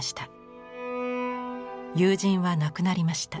友人は亡くなりました。